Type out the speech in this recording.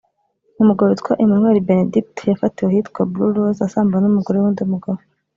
umugabo witwa Emmanuel Benedict yafatiwe ahitwa Blue Roze asambana n’umugore w’undi mugabo